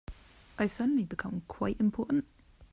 I've suddenly become quite important.